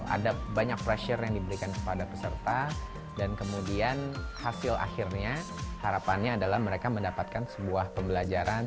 ada banyak pressure yang diberikan kepada peserta dan kemudian hasil akhirnya harapannya adalah mereka mendapatkan sebuah pembelajaran